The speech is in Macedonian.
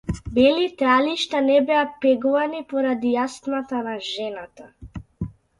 Белите алишта не беа пеглани поради астмата на жената.